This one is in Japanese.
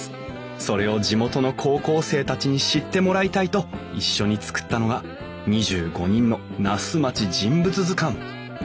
それを地元の高校生たちに知ってもらいたいと一緒に作ったのが２５人の「那須まち人物図鑑」。